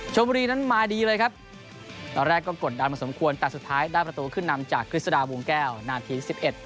ชนบุรีนั้นมาดีเลยครับตอนแรกก็กดดันไม่สมควรแต่สุดท้ายด้านประตูขึ้นนำจากคริสตาววงแก้วหน้าที๑๑